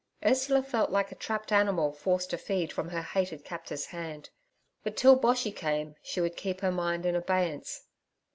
Ursula felt like a trapped animal forced to feed from her hated captor's hand. But till Boshy came she would keep her mind in abeyance.